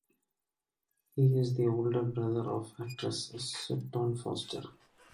He is the older brother of actress Sutton Foster.